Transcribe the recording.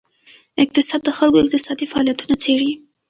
اقتصاد د خلکو اقتصادي فعالیتونه څیړي.